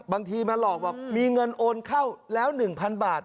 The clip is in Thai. บางทีมาหลอกบอกมีเงินโอนเข้าแล้ว๑๐๐๐บาท